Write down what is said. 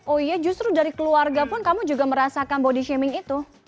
oh iya justru dari keluarga pun kamu juga merasakan body shaming itu